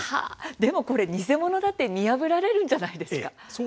でも偽物だと見破られるんじゃないですか。